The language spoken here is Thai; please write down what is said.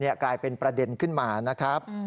กลายเป็นประเด็นขึ้นมานะครับ